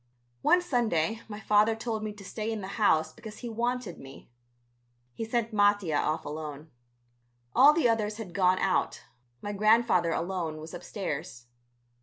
One Sunday my father told me to stay in the house because he wanted me. He sent Mattia off alone. All the others had gone out; my grandfather alone was upstairs.